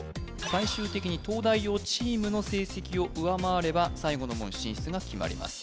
最終的に東大王チームの成績を上回れば最後の門進出が決まります